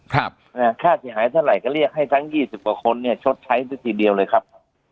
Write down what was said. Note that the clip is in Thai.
ค่าเสียหายเท่าไหร่ก็เรียกให้ทั้งยี่สิบกว่าคนเนี่ยชดใช้ซะทีเดียวเลยครับ